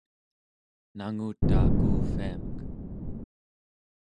nangutaa kuuvviamek